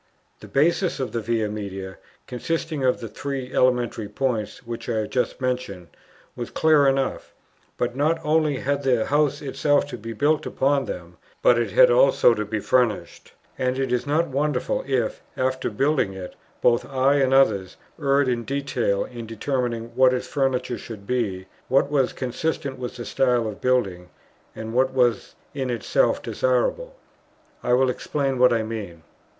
The basis of the Via Media, consisting of the three elementary points, which I have just mentioned, was clear enough; but, not only had the house itself to be built upon them, but it had also to be furnished, and it is not wonderful if, after building it, both I and others erred in detail in determining what its furniture should be, what was consistent with the style of building, and what was in itself desirable. I will explain what I mean.